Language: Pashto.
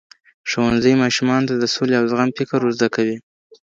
ښوونځی ماشومانو ته د سولې او زغم فکر ورزده کوي.